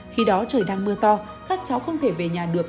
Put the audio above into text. khi đó trời đang mưa to các cháu không thể về nhà được